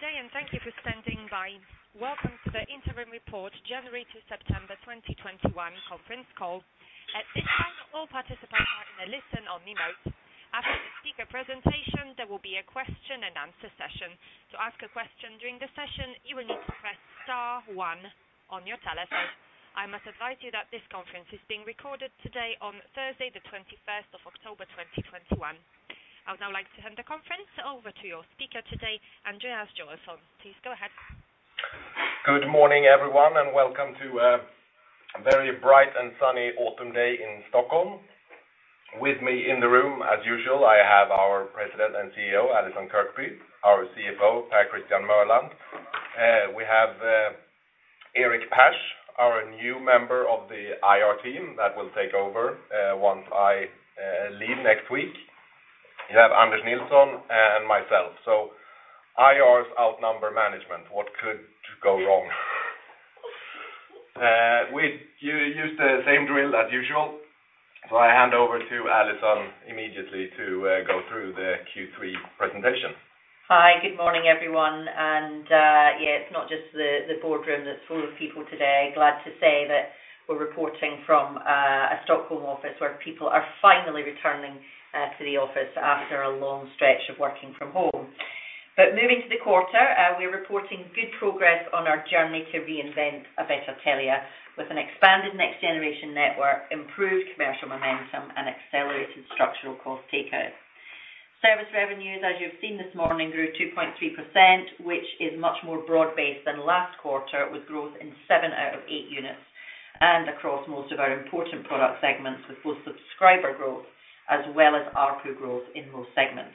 Good day, and thank you for standing by. Welcome to the interim report, January to September 2021 conference call. At this time, all participants are in a listen-only mode. After the speaker presentation, there will be a question and answer session. To ask a question during the session, you will need to press star one on your telephone. I must advise you that this conference is being recorded today on Thursday, the 21st of October 2021. I would now like to hand the conference over to your speaker today, Andreas Joelsson. Please go ahead. Good morning, everyone, and welcome to a very bright and sunny autumn day in Stockholm. With me in the room, as usual, I have our President and CEO, Allison Kirkby, our CFO, Per Christian Mørland. We have Erik Strandin Pers, our new member of the IR team that will take over once I leave next week. You have Anders Nilsson and myself. IRs outnumber management. What could go wrong? We use the same drill as usual. I hand over to Allison immediately to go through the Q3 presentation. Hi. Good morning, everyone. Yeah, it's not just the boardroom that's full of people today. Glad to say that we're reporting from a Stockholm office where people are finally returning to the office after a long stretch of working from home. Moving to the quarter, we're reporting good progress on our journey to reinvent a better Telia with an expanded next generation network, improved commercial momentum, and accelerated structural cost takeout. Service revenues, as you've seen this morning, grew 2.3%, which is much more broad-based than last quarter, with growth in seven out of eight units and across most of our important product segments, with both subscriber growth as well as ARPU growth in most segments.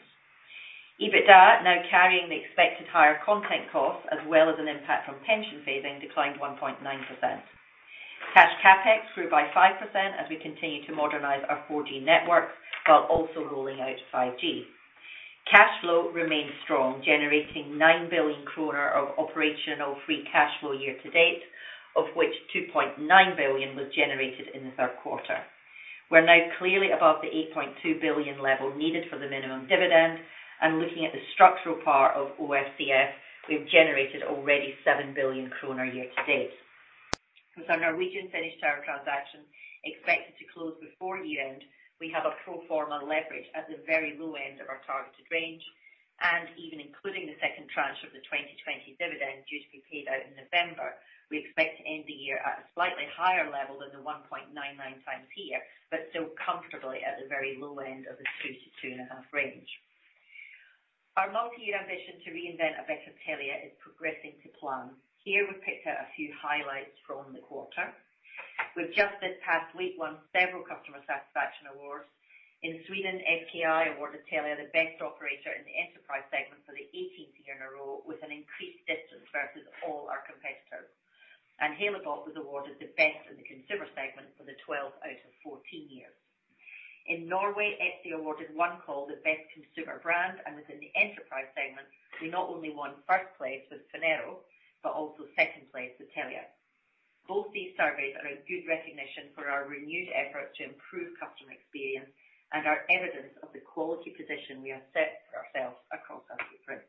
EBITDA now carrying the expected higher content costs as well as an impact from pension phasing declined 1.9%. Cash CapEx grew by 5% as we continue to modernize our 4G network while also rolling out 5G. Cash flow remained strong, generating 9 billion kronor of OFCF year to date, of which 2.9 billion was generated in the third quarter. We're now clearly above the 8.2 billion level needed for the minimum dividend. Looking at the structural part of OFCF, we've generated already 7 billion kronor year to date. With our Finnish tower transaction expected to close before year-end, we have a pro forma leverage at the very low end of our targeted range, and even including the second tranche of the 2020 dividend due to be paid out in November, we expect to end the year at a slightly higher level than the 1.99 times here, but still comfortably at the very low end of the 2-2.5 range. Our multi-year ambition to reinvent a better Telia is progressing to plan. Here we picked out a few highlights from the quarter. We've just this past week won several customer satisfaction awards. In Sweden, SKI awarded Telia the best operator in the enterprise segment for the 18th year in a row with an increased distance versus all our competitors. Telia was awarded the best in the consumer segment for 12 out of 14 years. In Norway, EPSI awarded OneCall the best consumer brand, and within the enterprise segment, we not only won first place with Phonero, but also second place with Telia. Both these surveys are a good recognition for our renewed efforts to improve customer experience and are evidence of the quality position we have set for ourselves across our footprint.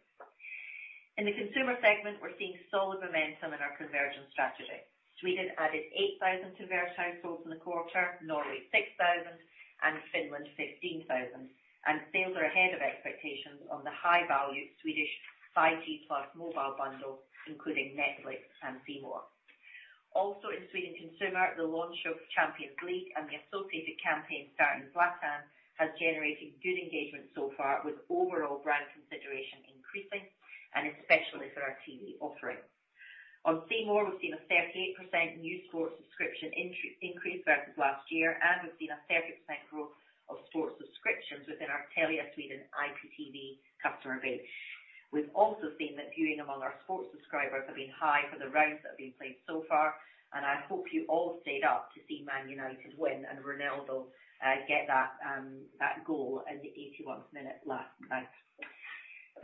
In the consumer segment, we're seeing solid momentum in our convergence strategy. Sweden added 8,000 converged households in the quarter, Norway 6,000, and Finland 15,000. Sales are ahead of expectations on the high-value Swedish 5G plus mobile bundle, including Netflix and C More. Also in Sweden Consumer, the launch of UEFA Champions League and the associated campaign starring Zlatan has generated good engagement so far, with overall brand consideration increasing and especially for our TV offering. On C More, we've seen a 38% new sports subscription increase versus last year, and we've seen a 30% growth of sports subscriptions within our Telia Sweden IPTV customer base. We've also seen that viewing among our sports subscribers have been high for the rounds that have been played so far, and I hope you all stayed up to see Manchester United win and Ronaldo get that goal in the 81st minute last night.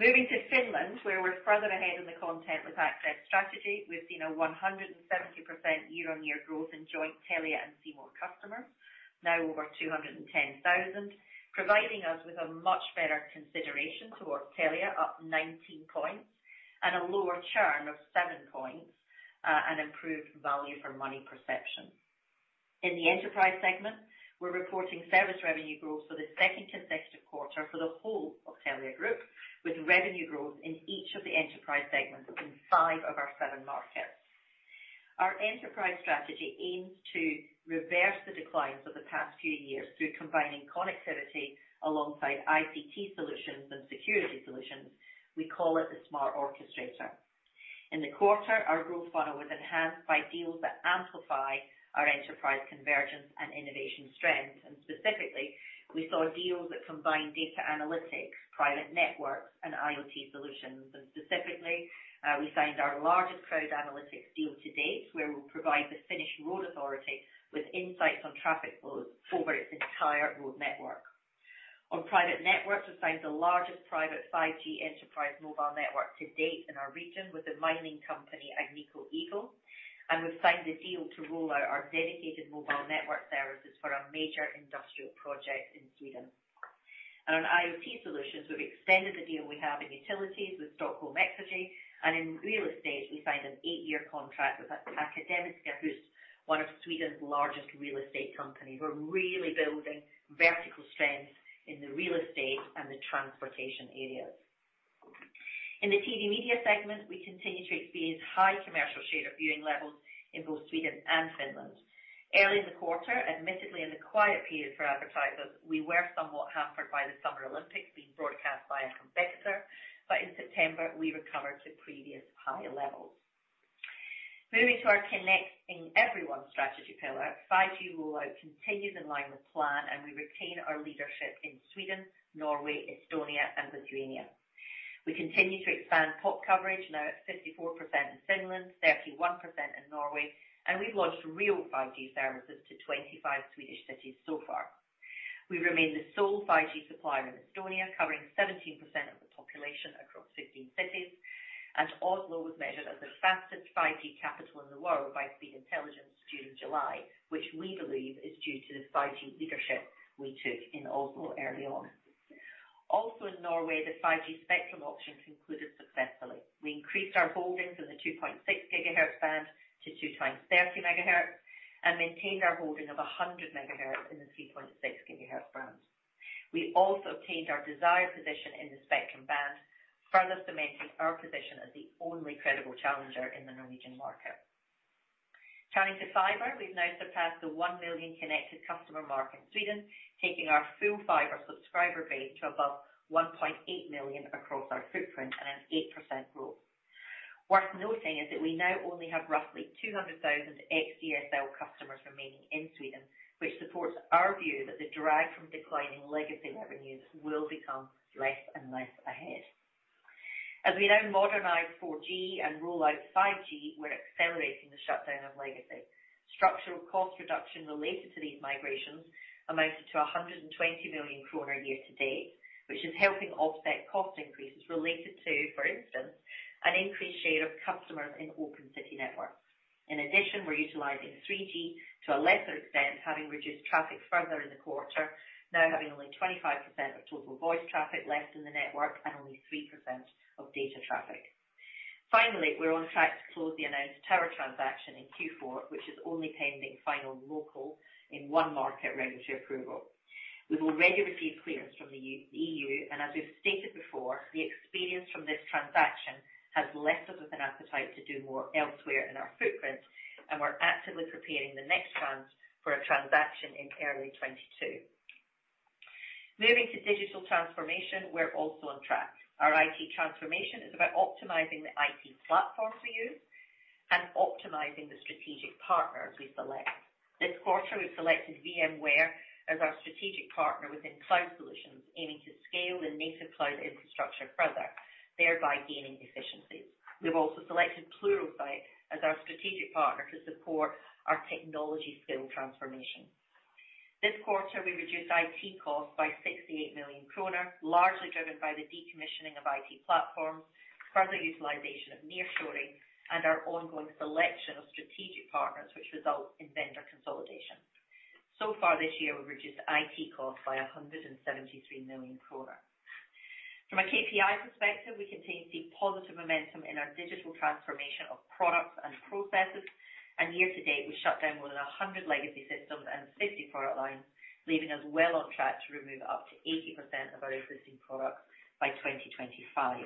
Moving to Finland, where we're further ahead in the content with access strategy. We've seen a 170% year-on-year growth in joint Telia and C More customers. Now over 210,000, providing us with a much better consideration towards Telia, up 19 points, and a lower churn of seven points, and improved value for money perception. In the enterprise segment, we're reporting service revenue growth for the second consecutive quarter for the whole of Telia group, with revenue growth in each of the enterprise segments in five of our seven markets. Our enterprise strategy aims to reverse the declines of the past few years through combining connectivity alongside ICT solutions and security solutions. We call it the Smart Orchestrator. In the quarter, our growth funnel was enhanced by deals that amplify our enterprise convergence and innovation strength. Specifically, we saw deals that combined data analytics, private networks, and IoT solutions. Specifically, we signed our largest crowd analytics deal to date, where we'll provide the Finnish Transport Infrastructure Agency with insights on traffic flows over its entire road network. On private networks, we signed the largest private 5G enterprise mobile network to date in our region with the mining company, Agnico Eagle. We've signed the deal to roll out our dedicated mobile network services for a major industrial project in Sweden. On IoT solutions, we've extended the deal we have in utilities with Stockholm Exergi, and in real estate, we signed an eight-year contract with Akademiska Hus, one of Sweden's largest real estate companies. We're really building vertical strength in the real estate and the transportation areas. In the TV media segment, we continue to experience high commercial share of viewing levels in both Sweden and Finland. Early in the quarter, admittedly in the quiet period for advertisers, we were somewhat hampered by the Summer Olympics being broadcast by a competitor. In September, we recovered to previous high levels. Moving to our Connecting Everyone strategy pillar, 5G rollout continues in line with plan. We retain our leadership in Sweden, Norway, Estonia, and Lithuania. We continue to expand pop coverage, now at 54% in Finland, 31% in Norway. We've launched real 5G services to 25 Swedish cities so far. We remain the sole 5G supplier in Estonia, covering 17% of the population across 15 cities. Oslo was measured as the fastest 5G capital in the world by Speedtest Intelligence during July, which we believe is due to the 5G leadership we took in Oslo early on. Also in Norway, the 5G spectrum auctions concluded successfully. We increased our holdings in the 2.6 GHz band to 2x30 MHz and maintained our holding of 100 MHz in the 3.6 GHz band. We also obtained our desired position in the spectrum band, further cementing our position as the only credible challenger in the Norwegian market. Turning to fiber, we've now surpassed the 1 million connected customer mark in Sweden, taking our full fiber subscriber base to above 1.8 million across our footprint and an 8% growth. Worth noting is that we now only have roughly 200,000 xDSL customers remaining in Sweden, which supports our view that the drag from declining legacy revenues will become less and less ahead. As we now modernize 4G and roll out 5G, we're accelerating the shutdown of legacy. Structural cost reduction related to these migrations amounted to 120 million kronor year-to-date, which is helping offset cost increases related to, for instance, an increased share of customers in Open City Network. In addition, we're utilizing 3G to a lesser extent, having reduced traffic further in the quarter, now having only 25% of total voice traffic left in the network and only 3% of data traffic. Finally, we're on track to close the announced tower transaction in Q4, which is only pending final local in one market regulatory approval. We've already received clearance from the EU, and as we've stated before, the experience from this transaction has left us with an appetite to do more elsewhere in our footprint, and we're actively preparing the next trans for a transaction in early 2022. Moving to digital transformation, we're also on track. Our IT transformation is about optimizing the IT platform for you and optimizing the strategic partners we select. This quarter, we've selected VMware as our strategic partner within cloud solutions, aiming to scale the native cloud infrastructure further, thereby gaining efficiencies. We've also selected Pluralsight as our strategic partner to support our technology skill transformation. This quarter, we reduced IT costs by 68 million kronor, largely driven by the decommissioning of IT platforms, further utilization of nearshoring, and our ongoing selection of strategic partners, which result in vendor consolidation. So far this year, we've reduced IT costs by 173 million. From a KPI perspective, we continue to see positive momentum in our digital transformation of products and processes. Year-to-date, we shut down more than 100 legacy systems and 50 product lines, leaving us well on track to remove up to 80% of our existing products by 2025.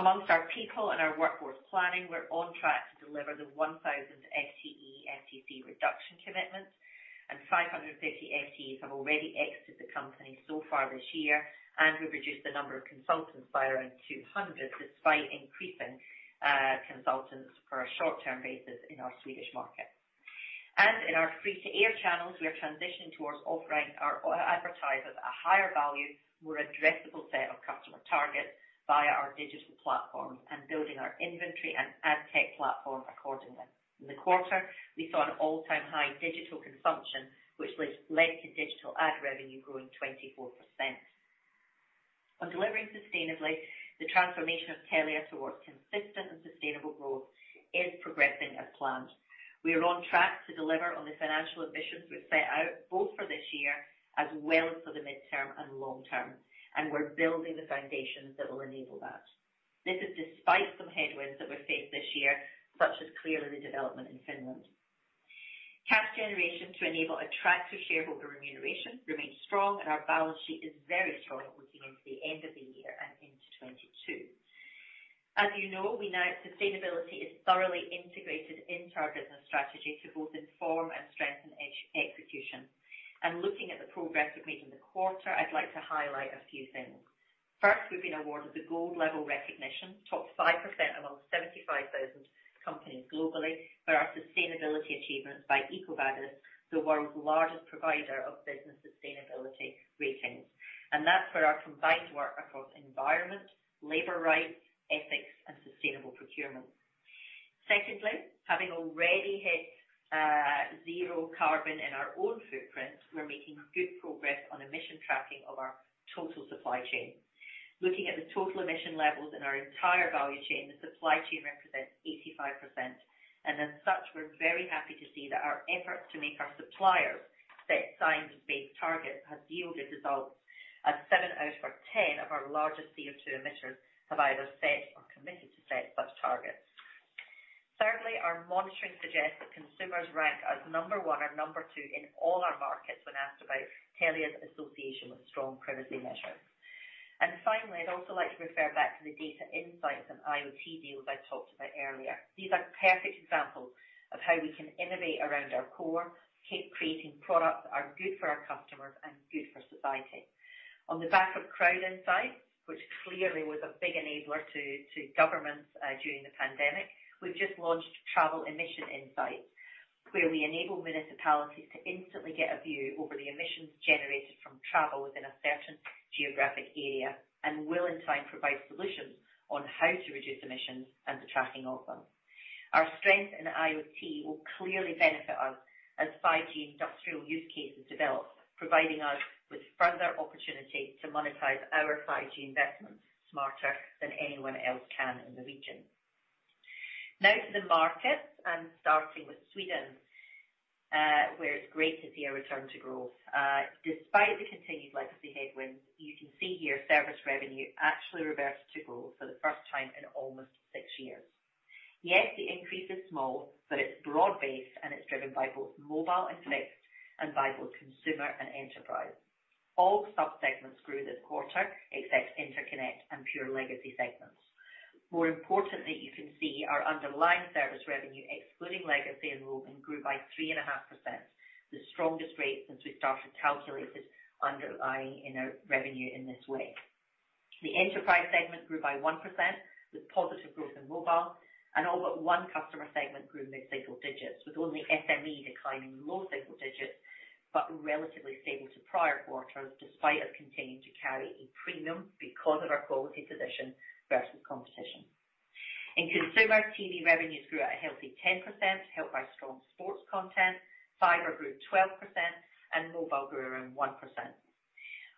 Amongst our people and our workforce planning, we're on track to deliver the 1,000 FTE reduction commitments. 550 FTEs have already exited the company so far this year. We've reduced the number of consultants by around 200, despite increasing consultants for a short-term basis in our Swedish market. In our free-to-air channels, we are transitioning towards offering our advertisers a higher value, more addressable set of customer targets via our digital platforms and building our inventory and ad tech platform accordingly. In the quarter, we saw an all-time high digital consumption, which led to digital ad revenue growing 24%. On delivering sustainably, the transformation of Telia towards consistent and sustainable growth is progressing as planned. We are on track to deliver on the financial ambitions we've set out, both for this year as well as for the midterm and long term. We're building the foundations that will enable that. This is despite some headwinds that we've faced this year, such as clearly the development in Finland. Cash generation to enable attractive shareholder remuneration remains strong. Our balance sheet is very strong looking into the end of the year and into 2022. As you know, sustainability is thoroughly integrated into our business strategy to both inform and strengthen execution. Looking at the progress we made in the quarter, I'd like to highlight a few things. First, we've been awarded the gold-level recognition, top 5% amongst 75,000 companies globally, for our sustainability achievements by EcoVadis, the world's largest provider of business sustainability ratings. That's for our combined work across environment, labor rights, ethics, and sustainable procurement. Secondly, having already hit Zero carbon in our own footprint. We're making good progress on emission tracking of our total supply chain. Looking at the total emission levels in our entire value chain, the supply chain represents 85%. As such, we're very happy to see that our efforts to make our suppliers set science-based targets has yielded results as 7 out of 10 of our largest CO2 emitters have either set or committed to set such targets. Thirdly, our monitoring suggests that consumers rank us number one or number two in all our markets when asked about Telia's association with strong privacy measures. Finally, I'd also like to refer back to the data insights and IoT deals I talked about earlier. These are perfect examples of how we can innovate around our core, keep creating products that are good for our customers and good for society. On the back of crowd insights, which clearly was a big enabler to governments during the pandemic, we've just launched travel emission insights, where we enable municipalities to instantly get a view over the emissions generated from travel within a certain geographic area and will in time provide solutions on how to reduce emissions and the tracking of them. Our strength in IoT will clearly benefit us as 5G industrial use cases develop, providing us with further opportunity to monetize our 5G investments smarter than anyone else can in the region. To the markets, and starting with Sweden, where it's great to see a return to growth. Despite the continued legacy headwinds, you can see here service revenue actually reversed to growth for the first time in almost six years. Yes, the increase is small, but it's broad-based, and it's driven by both mobile and fixed and by both consumer and enterprise. All sub-segments grew this quarter except interconnect and pure legacy segments. More importantly, you can see our underlying service revenue, excluding legacy and roaming, grew by 3.5%, the strongest rate since we started calculating underlying revenue in this way. The enterprise segment grew by 1% with positive growth in mobile, and all but 1 customer segment grew mid-single digits, with only SME declining low single digits but relatively stable to prior quarters, despite us continuing to carry a premium because of our quality position versus competition. In consumer, TV revenues grew at a healthy 10%, helped by strong sports content. Fiber grew 12%, mobile grew around 1%.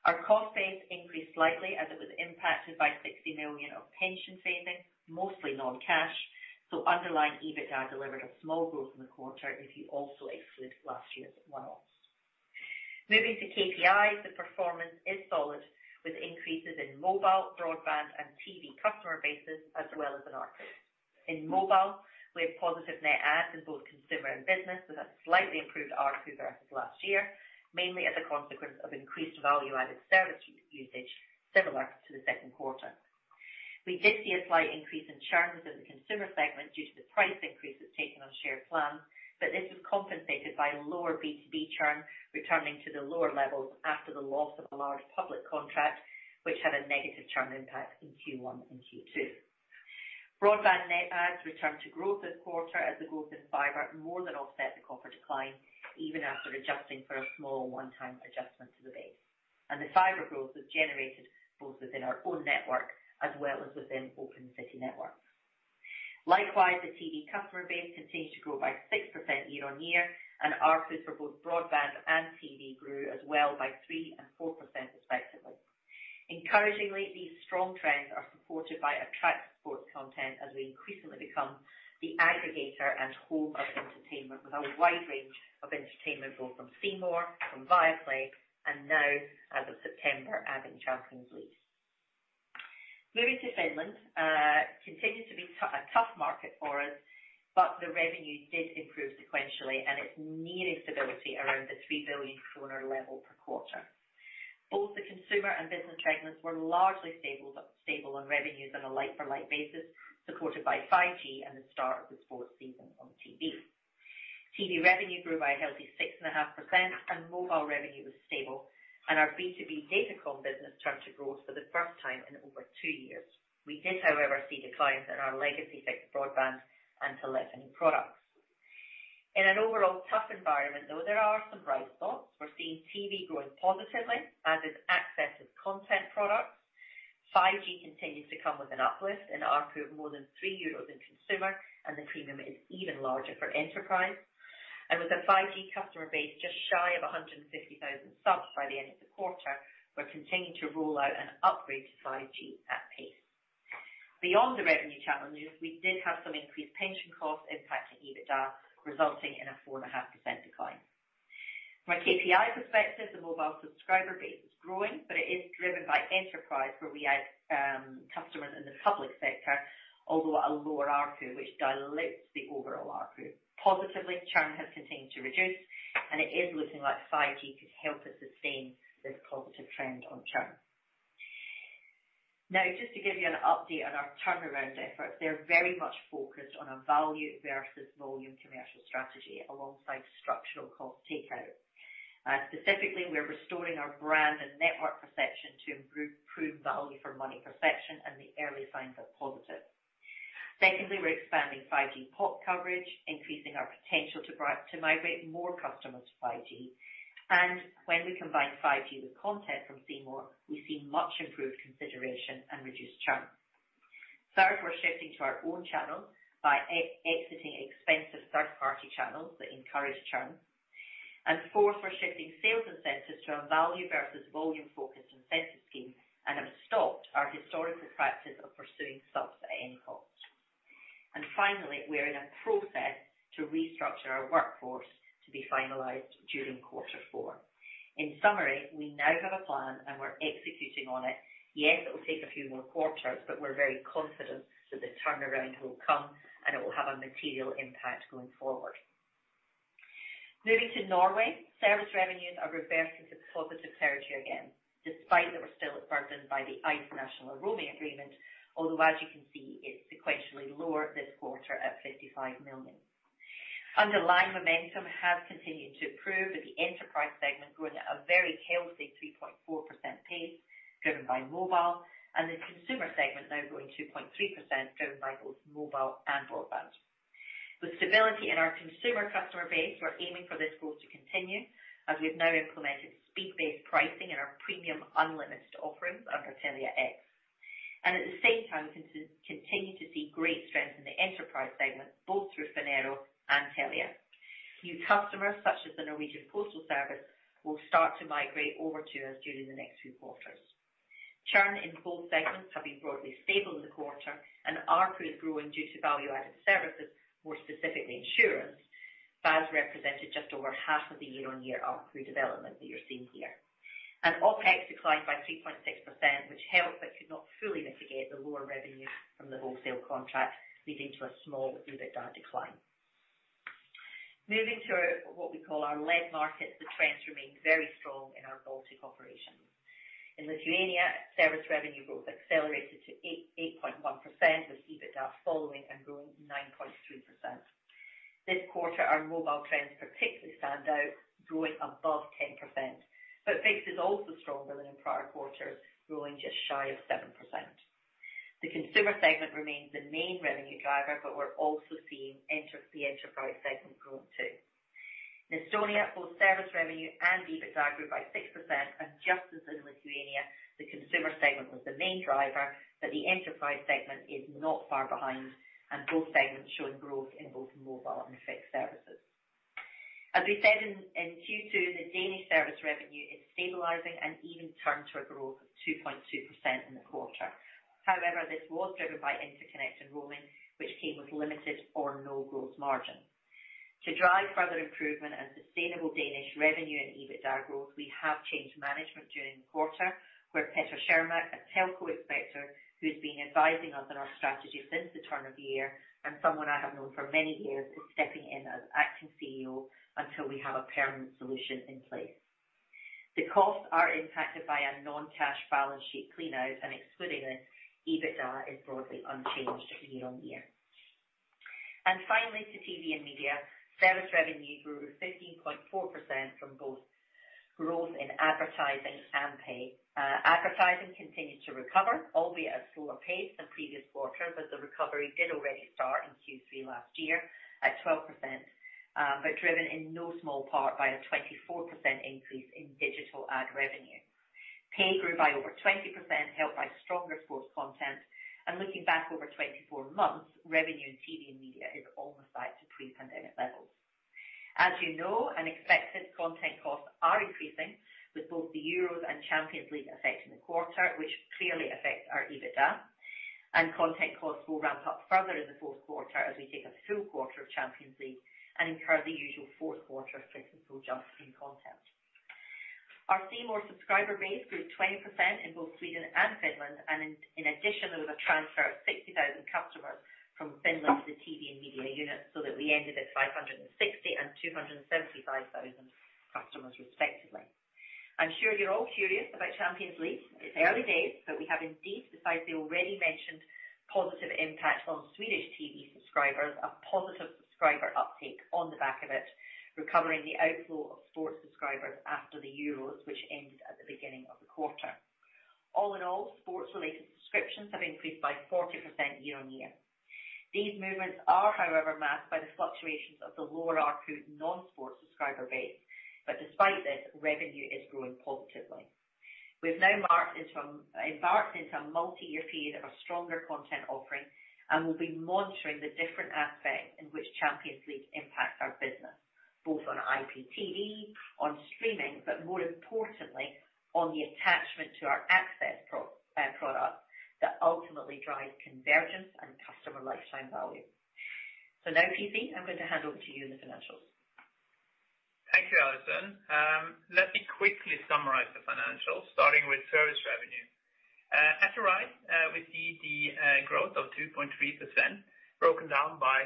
Our cost base increased slightly as it was impacted by 60 million of pension phasing, mostly non-cash, underlying EBITDA delivered a small growth in the quarter if you also exclude last year's one-offs. Moving to KPIs, the performance is solid with increases in mobile, broadband, and TV customer bases as well as in ARPU. In mobile, we have positive net adds in both consumer and business with a slightly improved ARPU versus last year, mainly as a consequence of increased value-added service usage similar to the second quarter. We did see a slight increase in churn within the consumer segment due to the price increase that's taken on shared plans, this was compensated by lower B2B churn returning to the lower levels after the loss of a large public contract which had a negative churn impact in Q1 and Q2. Broadband net adds returned to growth this quarter as the growth in fiber more than offset the copper decline, even after adjusting for a small one-time adjustment to the base. The fiber growth was generated both within our own network as well as within Open City networks. Likewise, the TV customer base continued to grow by 6% year-on-year, and ARPU for both broadband and TV grew as well by 3% and 4% respectively. Encouragingly, these strong trends are supported by attractive sports content as we increasingly become the aggregator and home of entertainment with a wide range of entertainment, both from C More, from Viaplay, and now as of September, adding Champions League. Moving to Finland, continues to be a tough market for us, but the revenue did improve sequentially, and it is nearing stability around the 3 billion kronor level per quarter. Both the consumer and business segments were largely stable on revenues on a like-for-like basis, supported by 5G and the start of the sports season on TV. TV revenue grew by a healthy 6.5%. Mobile revenue was stable, and our B2B Datacom business turned to growth for the first time in over two years. We did, however, see declines in our legacy fixed broadband and telephony products. In an overall tough environment, though, there are some bright spots. We're seeing TV growing positively, as is access as content products. 5G continues to come with an uplift in ARPU of more than 3 euros in consumer, and the premium is even larger for enterprise. With a 5G customer base just shy of 150,000 subs by the end of the quarter, we're continuing to roll out and upgrade to 5G at pace. Beyond the revenue challenges, we did have some increased pension costs impacting EBITDA, resulting in a 4.5% decline. From a KPI perspective, the mobile subscriber base is growing, but it is driven by enterprise where we add customers in the public sector although at a lower ARPU, which dilutes the overall ARPU. Positively, churn has continued to reduce, and it is looking like 5G could help us sustain this positive trend on churn. Just to give you an update on our turnaround efforts, they're very much focused on a value versus volume commercial strategy alongside structural cost takeout. Specifically, we're restoring our brand and network perception to improve value for money perception, and the early signs are positive. Secondly, we're expanding 5G pop coverage, increasing our potential to migrate more customers to 5G. When we combine 5G with content from C More, we see much improved consideration and reduced churn. Third, we're shifting to our own channels by exiting expensive third-party channels that encourage churn. Fourth, we're shifting sales incentives to a value versus volume-focused incentive scheme and have stopped our historical practice of pursuing subs at any cost. Finally, we're in a process to restructure our workforce to be finalized during quarter four. In summary, we now have a plan, and we're executing on it. Yes, it will take a few more quarters, but we're very confident that the turnaround will come, and it will have a material impact going forward. Moving to Norway, service revenues are reversing to the top of the clarity again, despite that we're still burdened by the Ice national roaming agreement, although, as you can see, it's sequentially lower this quarter at 55 million. Underlying momentum has continued to improve, with the enterprise segment growing at a very healthy 3.4% pace, driven by mobile, and the consumer segment now growing 2.3%, driven by both mobile and broadband. With stability in our consumer customer base, we're aiming for this growth to continue, as we've now implemented speed-based pricing in our premium unlimited offerings under Telia X. At the same time, we continue to see great strength in the enterprise segment, both through Phonero and Telia. New customers, such as the Norwegian Postal Service, will start to migrate over to us during the next few quarters. Churn in both segments have been broadly stable in the quarter and ARPU growing due to value-added services, more specifically insurance. VAS represented just over half of the year-on-year ARPU development that you're seeing here. OpEx declined by 3.6%, which helped but could not fully mitigate the lower revenue from the wholesale contract, leading to a small EBITDA decline. Moving to what we call our lead markets, the trends remain very strong in our Baltic operations. In Lithuania, service revenue growth accelerated to 8.1%, with EBITDA following and growing 9.3%. This quarter, our mobile trends particularly stand out, growing above 10%. Fixed is also stronger than in prior quarters, growing just shy of 7%. The consumer segment remains the main revenue driver, but we're also seeing the enterprise segment grow, too. In Estonia, both service revenue and EBITDA grew by 6%, and just as in Lithuania, the consumer segment was the main driver, but the enterprise segment is not far behind, and both segments showing growth in both mobile and fixed services. As we said in Q2, the Danish service revenue is stabilizing and even turned to a growth of 2.2% in the quarter. However, this was driven by interconnect and roaming, which came with limited or no gross margin. To drive further improvement and sustainable Danish revenue and EBITDA growth, we have changed management during the quarter where Petter Schjerven, a Telco expert who has been advising us on our strategy since the turn of the year and someone I have known for many years, is stepping in as acting CEO until we have a permanent solution in place. The costs are impacted by a non-cash balance sheet clean out, and excluding this, EBITDA is broadly unchanged year-on-year. Finally, to Telia TV & Media, service revenue grew 15.4% from both growth in advertising and pay. Advertising continued to recover, albeit at a slower pace than previous quarters, but the recovery did already start in Q3 last year at 12%, but driven in no small part by a 24% increase in digital ad revenue. Pay grew by over 20%, helped by stronger sports content, and looking back over 24 months, revenue in TV and media is almost back to pre-pandemic levels. As you know, and expected, content costs are increasing, with both the Euros and Champions League affecting the quarter, which clearly affects our EBITDA. Content costs will ramp up further in the fourth quarter as we take a full quarter of Champions League and incur the usual fourth quarter Christmas jump in content. Our C More subscriber base grew 20% in both Sweden and Finland. In addition, there was a transfer of 60,000 customers from Finland to the Telia TV & Media unit so that we ended at 560,000 and 275,000 customers respectively. I'm sure you're all curious about UEFA Champions League. It's early days. We have indeed, besides the already mentioned positive impact on Swedish TV subscribers, a positive subscriber uptake on the back of it, recovering the outflow of sports subscribers after the Euros, which ended at the beginning of the quarter. All in all, sports-related subscriptions have increased by 40% year-on-year. These movements are, however, masked by the fluctuations of the lower ARPU non-sports subscriber base. Despite this, revenue is growing positively. We've now embarked into a multi-year period of a stronger content offering and will be monitoring the different aspects in which Champions League impacts our business, both on IPTV, on streaming, but more importantly, on the attachment to our access product that ultimately drives convergence and customer lifetime value. Now, P.C., I'm going to hand over to you on the financials. Thank you, Allison. Let me quickly summarize the financials, starting with service revenue. At the right, we see the growth of 2.3% broken down by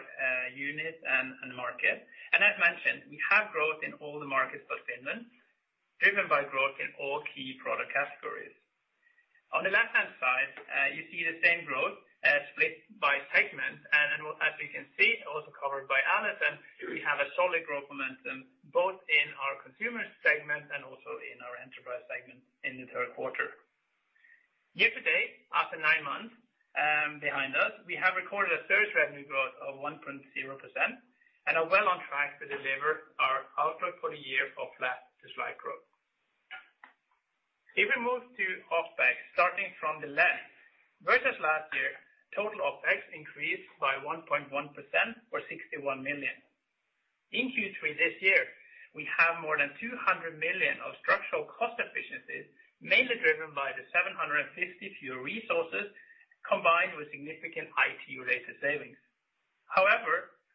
unit and market. As mentioned, we have growth in all the markets but Finland, driven by growth in all key product categories. On the left-hand side, you see the same growth split by segment. As you can see, also covered by Allison, we have a solid growth momentum both in our consumer segment and also in our enterprise segment in the third quarter. Year to date, after nine months behind us, we have recorded a service revenue growth of 1.0% and are well on track to deliver our outlook for the year of flat to slight growth. If we move to OpEx, starting from the left, versus last year, total OpEx increased by 1.1% or 61 million. In Q3 this year, we have more than 200 million of structural cost efficiencies, mainly driven by the 750 fewer resources, combined with significant IT-related savings.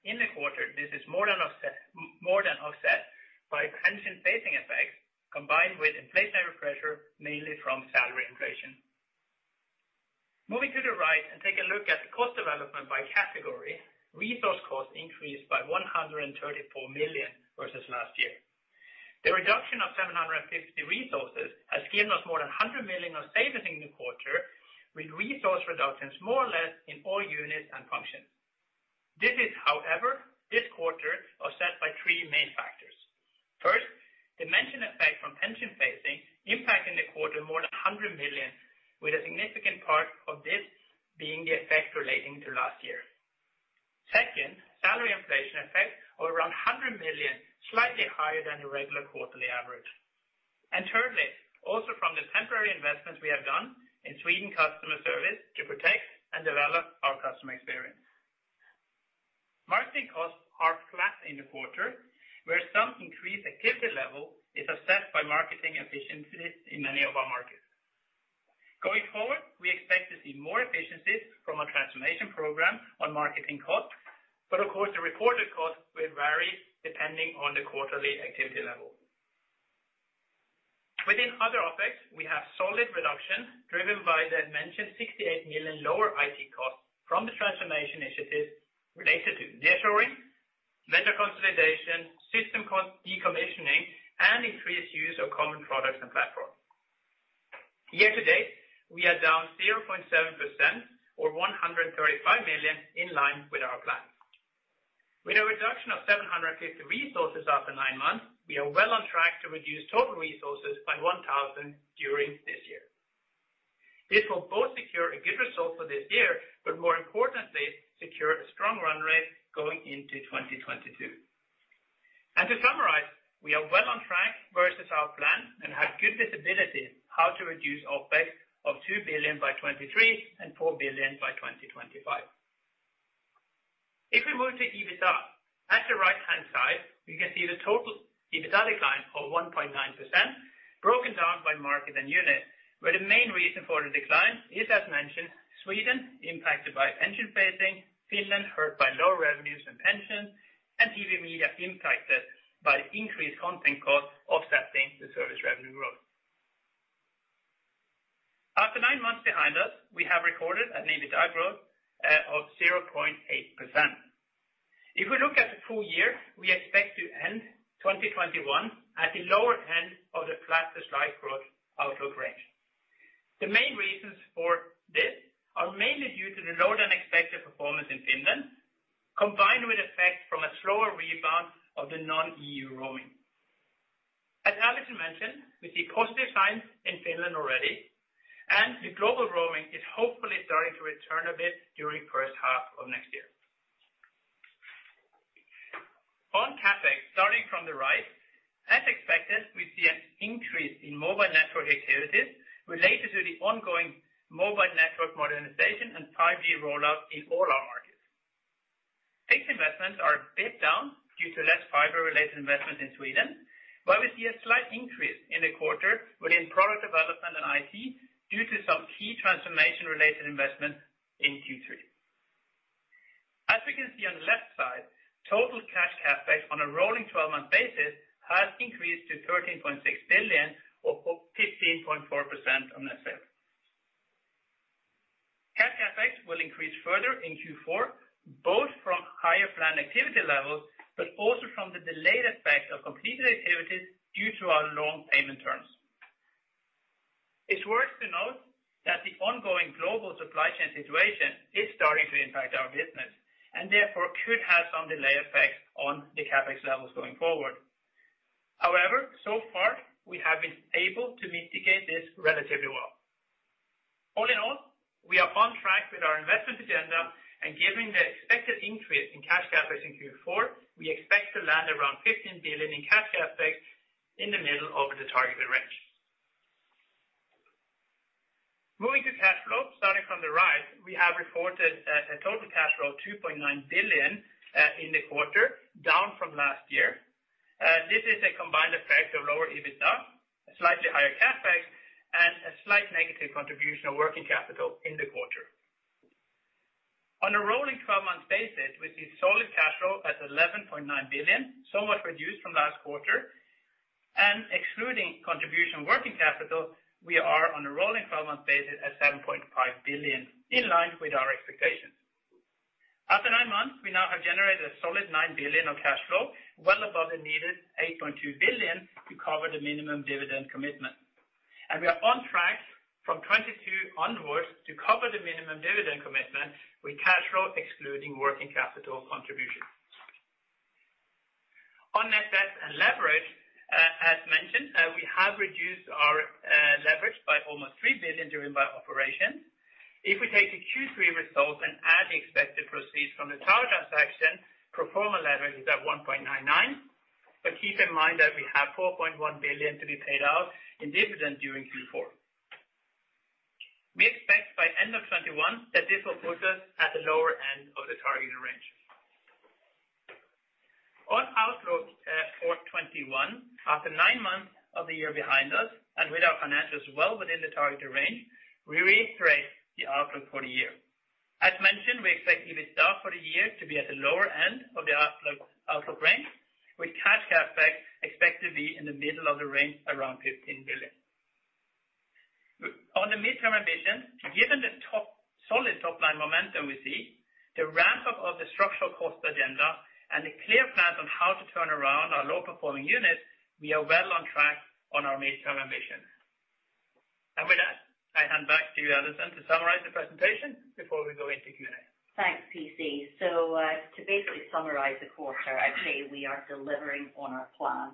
In the quarter, this is more than offset by pension phasing effects combined with inflationary pressure, mainly from salary inflation. Moving to the right and taking a look at the cost development by category. Resource costs increased by 134 million versus last year. The reduction of 750 resources has given us more than 100 million of savings in the quarter, with resource reductions more or less in all units and functions. This is, however, this quarter, offset by three main factors. First, the mentioned effect from pension phasing impact in the quarter more than 100 million, with a significant part of this being the effect relating to last year. Second, salary inflation effect of around 100 million, slightly higher than your regular quarterly average. Thirdly, also from the temporary investments we have done in Sweden customer service to protect and develop our customer experience. Marketing costs are flat in the quarter, where some increased activity level is offset by marketing efficiencies in many of our markets. Going forward, we expect to see more efficiencies from our transformation program on marketing costs. Of course, the reported cost will vary depending on the quarterly activity level. Within other OpEx, we have solid reduction driven by the mentioned 68 million lower IT cost from the transformation initiatives related to nearshoring, vendor consolidation, system cost decommissioning, and increased use of common products and platform. Year-to-date, we are down 0.7% or 135 million in line with our plan. With a reduction of 750 resources after nine months, we are well on track to reduce total resources by 1,000 during this year. This will both secure a good result for this year, more importantly, secure a strong run rate going into 2022. To summarize, we are well on track versus our plan and have good visibility how to reduce OpEx of 2 billion by 2023 and 4 billion by 2025. If we move to EBITDA, at the right-hand side, we can see the total EBITDA decline of 1.9%, broken down by market and unit, where the main reason for the decline is, as mentioned, Sweden impacted by pension phasing, Finland hurt by lower revenues and pension, and Telia TV & Media impacted by increased content cost offsetting the service revenue growth. After nine months behind us, we have recorded an EBITDA growth of 0.8%. If we look at the full year, we expect to end 2021 at the lower end of the flat to slight growth outlook range. The main reasons for this are mainly due to the lower-than-expected performance in Finland, combined with effect from a slower rebound of the non-EU roaming. As Allison mentioned, we see positive signs in Finland already, and the global roaming is hopefully starting to return a bit during first half of next year. On CapEx, starting from the right, as expected, we see an increase in mobile network activities related to the ongoing mobile network modernization and 5G rollout in all our markets. Fixed investments are a bit down due to less fiber-related investment in Sweden, but we see a slight increase in the quarter within product development and IT due to some key transformation-related investment in Q3. As we can see on the left side, total cash CapEx on a rolling 12-month basis has increased to 13.6 billion or 15.4% on a sale. Cash CapEx will increase further in Q4, both from higher planned activity levels, but also from the delayed effect of completed activities due to our loan payment terms. It's worth to note that the ongoing global supply chain situation is starting to impact our business, and therefore could have some delay effects on the CapEx levels going forward. However, so far, we have been able to mitigate this relatively well. All in all, we are on track with our investment agenda, and given the expected increase in cash CapEx in Q4, we expect to land around 15 billion in cash CapEx in the middle of the targeted range. Moving to cash flow, starting from the right, we have reported a total cash flow 2.9 billion in the quarter, down from last year. This is a combined effect of lower EBITDA, a slightly higher CapEx, and a slight negative contribution of working capital in the quarter. On a rolling 12 months basis, we see solid cash flow at 11.9 billion, somewhat reduced from last quarter, and excluding contribution working capital, we are on a rolling 12 months basis at 7.5 billion, in line with our expectations. After 9 months, we now have generated a solid 9 billion of cash flow, well above the needed 8.2 billion to cover the minimum dividend commitment. We are on track from 2022 onwards to cover the minimum dividend commitment with cash flow excluding working capital contribution. On net debt and leverage, as mentioned, we have reduced our leverage by almost 3 billion during the operation. If we take the Q3 results and add the expected proceeds from the tower transaction, pro forma leverage is at 1.99. Keep in mind that we have 4.1 billion to be paid out in dividend during Q4. We expect by end of 2021 that this will put us at the lower end of the targeted range. On outlook for 2021, after nine months of the year behind us, and with our financials well within the targeted range, we reiterate the outlook for the year. As mentioned, we expect EBITDA for the year to be at the lower end of the outlook range, with cash CapEx expected to be in the middle of the range around 15 billion. On the midterm ambition, given the solid top-line momentum we see, the ramp-up of the structural cost agenda, and the clear plans on how to turn around our low-performing units, we are well on track on our midterm ambition. With that, I hand back to Allison to summarize the presentation before we go into Q&A. Thanks, P.C. To basically summarize the quarter, I'd say we are delivering on our plan.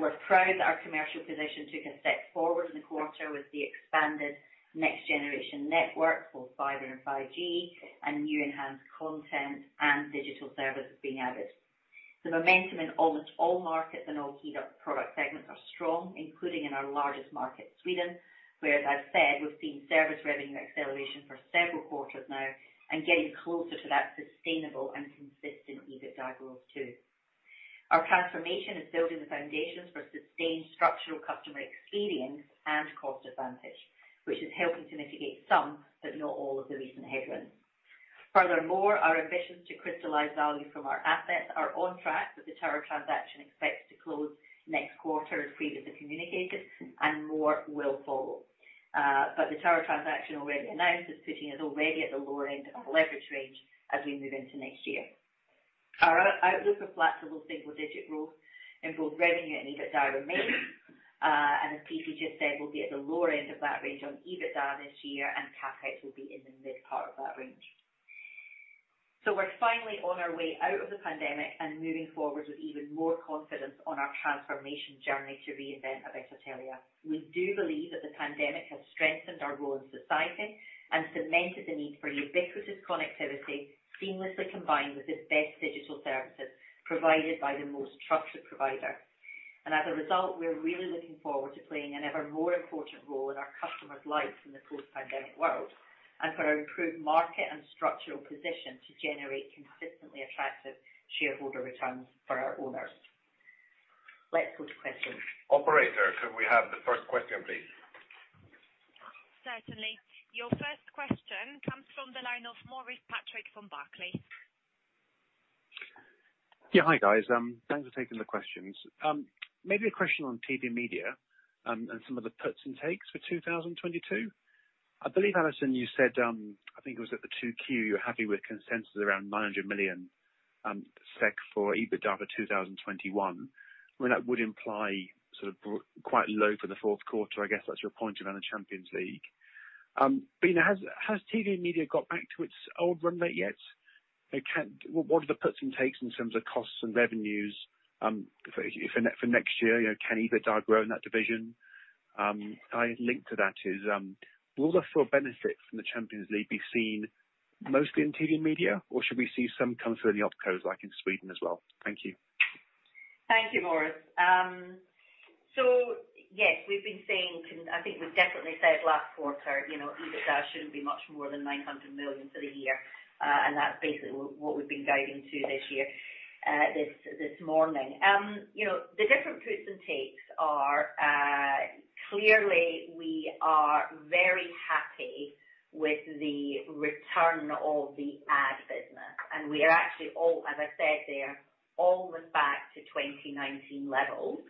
We're proud that our commercial position took a step forward in the quarter with the expanded next generation network, both fiber and 5G, and new enhanced content and digital services being added. The momentum in almost all markets and all keyed-up product segments are strong, including in our largest market, Sweden, where, as I've said, we've seen service revenue acceleration for several quarters now and getting closer to that sustainable and consistent EBITDA growth too. Our transformation is building the foundations for sustained structural customer experience and cost advantage, which is helping to mitigate some, but not all, of the recent headwinds. Furthermore, our ambitions to crystallize value from our assets are on track, with the tower transaction expected to close next quarter as previously communicated, and more will follow. The tower transaction already announced is putting us already at the lower end of our leverage range as we move into next year. Our outlook for flat to low single-digit growth in both revenue and EBITDA remains. As P.C. just said, we'll be at the lower end of that range on EBITDA this year, and CapEx will be in the mid part of that range. We're finally on our way out of the pandemic and moving forward with even more confidence on our transformation journey to reinvent a better Telia. We do believe that the pandemic has strengthened our role in society and cemented the need for ubiquitous connectivity seamlessly combined with the best digital services provided by the most trusted provider. As a result, we're really looking forward to playing an ever more important role in our customers' lives in the post-pandemic world and for our improved market and structural position to generate consistently attractive shareholder returns for our owners. Let's go to questions. Operator, could we have the first question, please? Certainly. Your first question comes from the line of Maurice Patrick from Barclays. Hi, guys. Thanks for taking the questions. A question on TV & Media, and some of the puts and takes for 2022. I believe, Allison, you said, I think it was at the 2Q, you're happy with consensus around 900 million SEK for EBITDA for 2021. I mean, that would imply sort of quite low for the fourth quarter. I guess that's your point around the UEFA Champions League. Has TV & Media got back to its old run rate yet? What are the puts and takes in terms of costs and revenues for next year? Can EBITDA grow in that division? Tied link to that is, will the full benefit from the UEFA Champions League be seen mostly in TV & Media, or should we see some come through in the opcos like in Sweden as well? Thank you. Thank you, Maurice. Yes, we've been saying, I think we definitely said last quarter, EBITDA shouldn't be much more than 900 million for the year. That's basically what we've been guiding to this year, this morning. The different puts and takes are, clearly we are very happy with the return of the ad business. We are actually all, as I said there, almost back to 2019 levels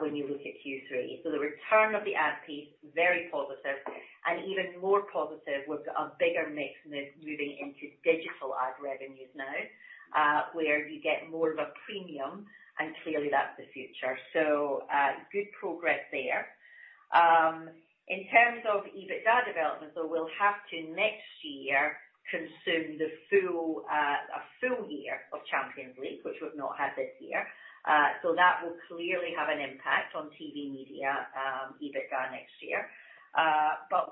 when you look at Q3. The return of the ad piece, very positive, and even more positive with a bigger mix moving into digital ad revenues now, where you get more of a premium, and clearly that's the future. Good progress there. In terms of EBITDA development, though, we'll have to next year consume a full year of Champions League, which we've not had this year. That will clearly have an impact on Telia TV & Media EBITDA next year.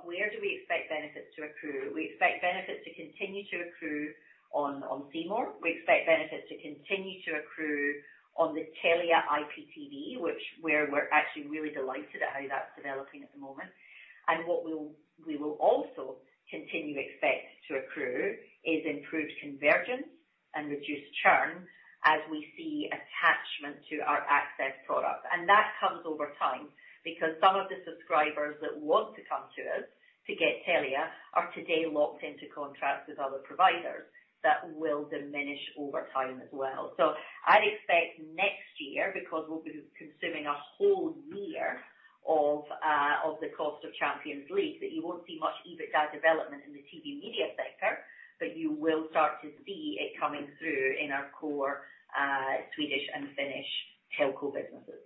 Where do we expect benefits to accrue? We expect benefits to continue to accrue on Viaplay. We expect benefits to continue to accrue on the Telia IPTV, where we're actually really delighted at how that's developing at the moment. What we will also continue to expect to accrue is improved convergence and reduced churn as we see attachment to our access product. That comes over time, because some of the subscribers that want to come to us to get Telia are today locked into contracts with other providers that will diminish over time as well. I'd expect next year, because we'll be consuming a whole year of the cost of Champions League, that you won't see much EBITDA development in the TV media sector, but you will start to see it coming through in our core Swedish and Finnish telco businesses.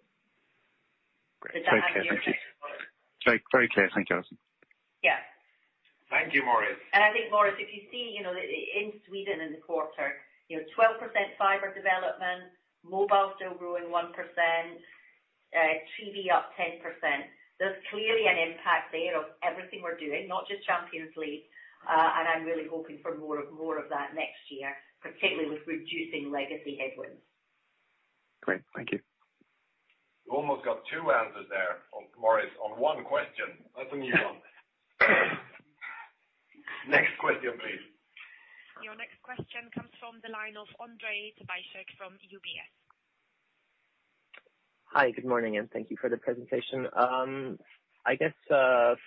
Great. Very clear. Thank you. Does that answer your question, Maurice? Very clear. Thank you, Allison. Yeah. Thank you, Maurice. I think, Maurice, if you see in Sweden in the quarter, 12% fiber development, mobile still growing one percent. TV up 10%. There's clearly an impact there of everything we're doing, not just UEFA Champions League. I'm really hoping for more of that next year, particularly with reducing legacy headwinds. Great. Thank you. You almost got two answers there, Maurice, on one question. That's a new one. Next question, please. Your next question comes from the line of Ondrej Cabejsek from UBS. Hi, good morning. Thank you for the presentation. I guess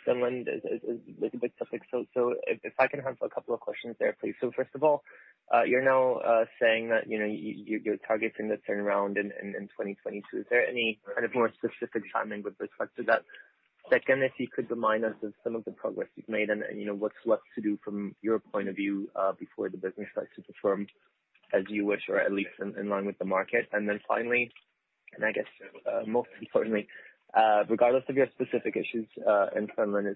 Finland is a bit specific, so if I can have a couple of questions there, please. First of all, you're now saying that you're targeting the turnaround in 2022. Is there any kind of more specific timing with respect to that? Second, if you could remind us of some of the progress you've made and what's left to do from your point of view, before the business starts to perform as you wish, or at least in line with the market. Finally, and I guess most importantly, regardless of your specific issues in Finland,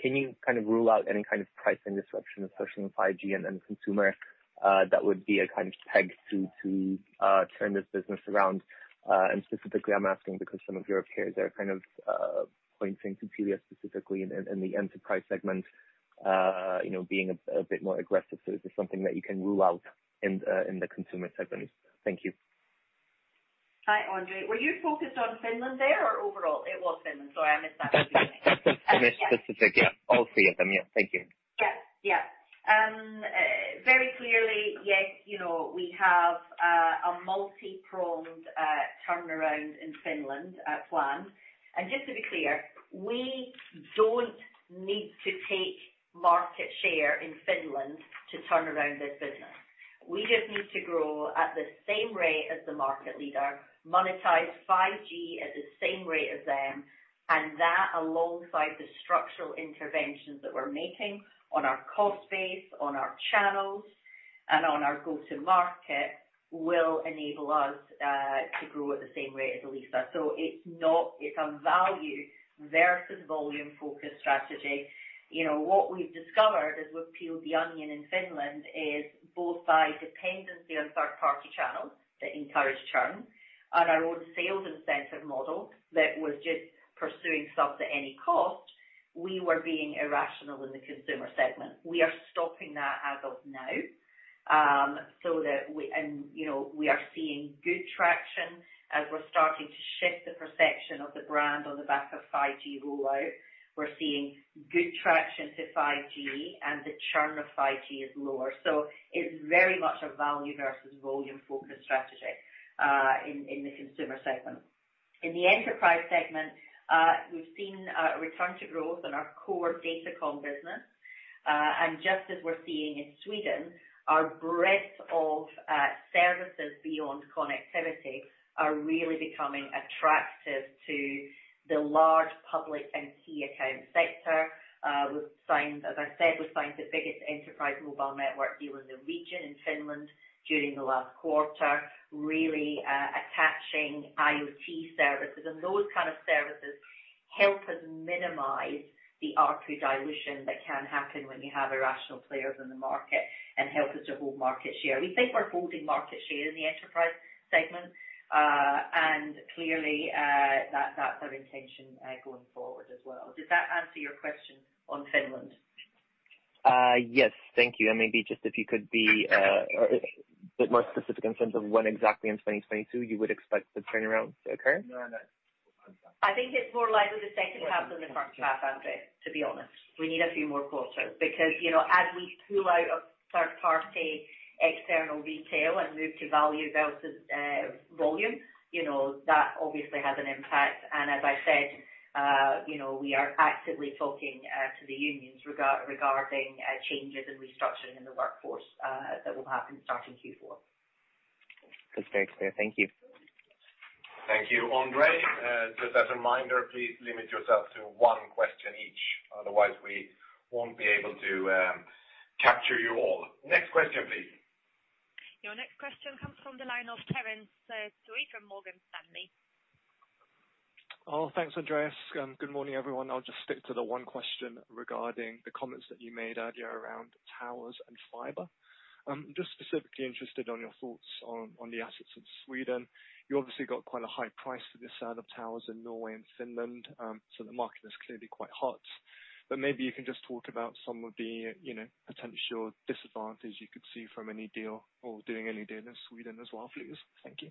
can you rule out any kind of pricing disruption, especially with 5G and then consumer, that would be a kind of peg to turn this business around? Specifically, I'm asking because some of your peers are kind of pointing to Telia specifically in the enterprise segment being a bit more aggressive. Is this something that you can rule out in the consumer segment? Thank you. Hi, Ondrej. Were you focused on Finland there or overall? It was Finland. Sorry, I missed that. In specific, yeah. All three of them. Yeah, thank you. Yeah. Very clearly, yes, we have a multi-pronged turnaround in Finland planned. Just to be clear, we don't need to take market share in Finland to turn around this business. We just need to grow at the same rate as the market leader, monetize 5G at the same rate as them, and that alongside the structural interventions that we're making on our cost base, on our channels, and on our go-to market, will enable us to grow at the same rate as Elisa. It's a value versus volume-focused strategy. What we've discovered as we've peeled the onion in Finland is both by dependency on third-party channels that encourage churn and our own sales incentive model that was just pursuing subs at any cost, we were being irrational in the consumer segment. We are stopping that as of now. We are seeing good traction as we're starting to shift the perception of the brand on the back of 5G rollout. We're seeing good traction to 5G, and the churn of 5G is lower. It's very much a value versus volume-focused strategy in the consumer segment. In the enterprise segment, we've seen a return to growth in our core Datacom business. Just as we're seeing in Sweden, our breadth of services beyond connectivity are really becoming attractive to the large public and key account sector. As I said, we signed the biggest enterprise mobile network deal in the region in Finland during the last quarter, really attaching IoT services. Those kind of services help us minimize the ARPU dilution that can happen when you have irrational players in the market and help us to hold market share. We think we're holding market share in the enterprise segment, and clearly, that's our intention going forward as well. Does that answer your question on Finland? Yes. Thank you. Maybe just if you could be a bit more specific in terms of when exactly in 2022 you would expect the turnaround to occur? I think it's more likely the second half than the first half, Ondrej, to be honest. We need a few more quarters because as we pull out of third-party external retail and move to value versus volume, that obviously has an impact. As I said, we are actively talking to the unions regarding changes and restructuring in the workforce that will happen starting Q4. That's very clear. Thank you. Thank you, Ondrej. Just as a reminder, please limit yourself to one question each. Otherwise, we won't be able to capture you all. Next question, please. Your next question comes from the line of Terence Tsui from Morgan Stanley. Thanks, Andreas. Good morning, everyone. I'll just stick to the one question regarding the comments that you made earlier around towers and fiber. I'm just specifically interested on your thoughts on the assets of Sweden. You obviously got quite a high price for the sale of towers in Norway and Finland, so the market is clearly quite hot. Maybe you can just talk about some of the potential disadvantages you could see from any deal or doing any deal in Sweden as well, please. Thank you.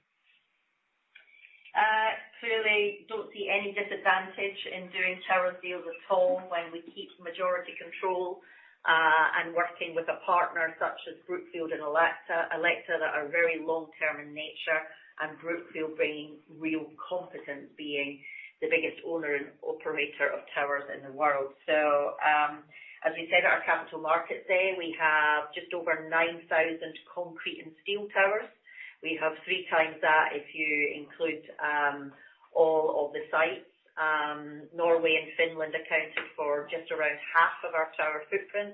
Clearly don't see any disadvantage in doing tower deals at all when we keep majority control, and working with a partner such as Brookfield and Alecta. Alecta that are very long-term in nature, and Brookfield bringing real competence, being the biggest owner and operator of towers in the world. As we said at our capital market day, we have just over 9,000 concrete and steel towers. We have three times that if you include all of the sites. Norway and Finland accounted for just around half of our tower footprint,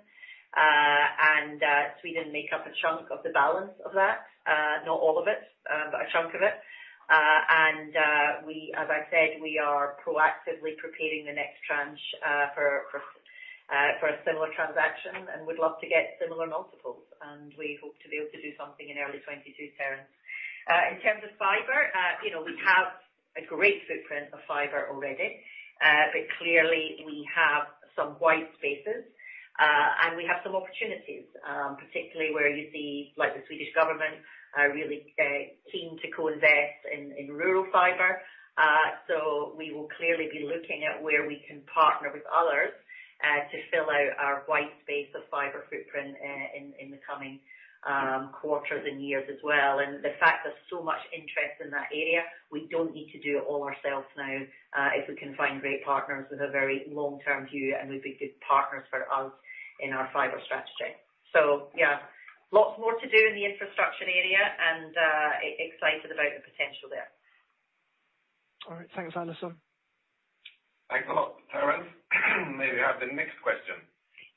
and Sweden make up a chunk of the balance of that. Not all of it, but a chunk of it. As I've said, we are proactively preparing the next tranche for a similar transaction and would love to get similar multiples. We hope to be able to do something in early 2022, Terence. In terms of fiber, we have a great footprint of fiber already. Clearly we have some white spaces, and we have some opportunities, particularly where you see the Swedish government are really keen to co-invest in rural fiber. We will clearly be looking at where we can partner with others to fill out our white space of fiber footprint in the coming quarters and years as well. The fact there's so much interest in that area, we don't need to do it all ourselves now, if we can find great partners with a very long-term view and would be good partners for us in our fiber strategy. Yeah, lots more to do in the infrastructure area and excited about the potential there. All right. Thanks, Allison. Thanks a lot, Terence. May we have the next question?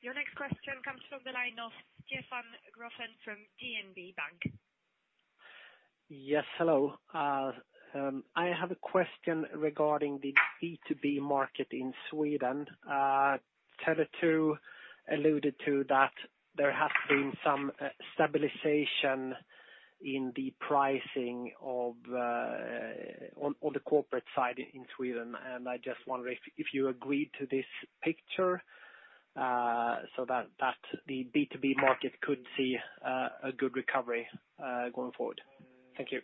Your next question comes from the line of Stefan Gauffin from DNB Bank. Yes, hello. I have a question regarding the B2B market in Sweden. Tele2 alluded to that there has been some stabilization in the pricing on the corporate side in Sweden, and I just wonder if you agree to this picture, so that the B2B market could see a good recovery going forward. Thank you.